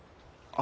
あ。